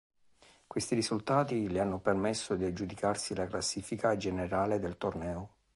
Questi risultati le hanno permesso di aggiudicarsi la classifica generale del torneo.